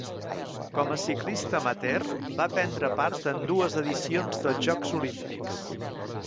Com a ciclista amateur va prendre part en dues edicions dels Jocs Olímpics.